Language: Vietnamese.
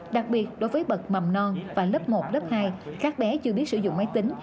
đặc biệt đối với bậc mầm non và lớp một lớp hai các bé chưa biết sử dụng máy tính